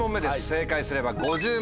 正解すれば５０万円。